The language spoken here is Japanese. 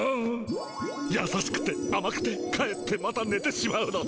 やさしくてあまくてかえってまたねてしまうのだ。